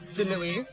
xin lưu ý